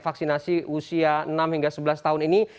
vaksinasi usia enam hingga sebelas tahun ini